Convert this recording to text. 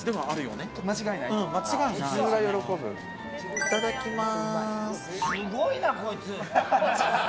いただきます！